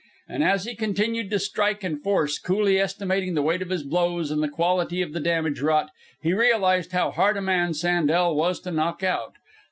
And as he continued to strike and force, coolly estimating the weight of his blows and the quality of the damage wrought, he realized how hard a man Sandel was to knock out.